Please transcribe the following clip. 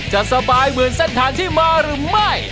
จะสบายเหมือนเส้นทางที่มาหรือไม่